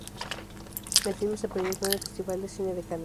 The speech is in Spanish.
El filme se proyectó en el Festival de cine de Cannes.